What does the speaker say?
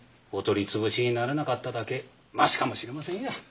お取り潰しにならなかっただけマシかもしれませんや。